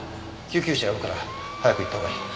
救急車呼ぶから早く行ったほうがいい。